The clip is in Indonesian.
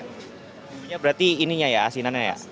bumbunya berarti ininya ya asinannya ya